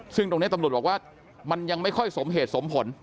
ซึ่งตรงนี้ตำรวจบอกว่ามันยังไม่ค่อยสมเหตุสมผล